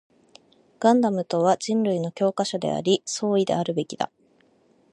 ガンダムとは人類の教科書であり、総意であるべきだ